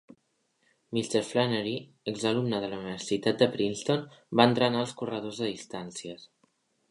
Mr. Flannery, exalumne de la Universitat de Princeton, va entrenar als corredors de distàncies.